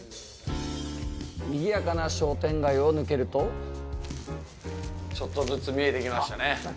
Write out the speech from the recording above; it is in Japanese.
にぎやかな商店街を抜けるとちょっとずつ見えてきましたね。